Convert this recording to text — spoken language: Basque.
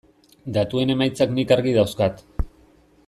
Datuen emaitzak nik argi dauzkat.